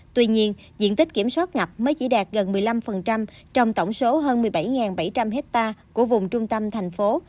tuy nhiên diện tích kiểm soát ngập mới chỉ đạt gần một mươi năm trong tổng số hơn một mươi bảy bảy trăm linh hectare của vùng trung tâm thành phố